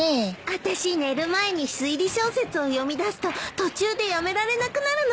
私寝る前に推理小説を読みだすと途中でやめられなくなるの。